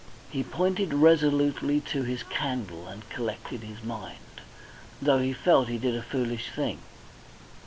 He pointed resolutely to his candle and collected his mind, though he felt he did a foolish thing.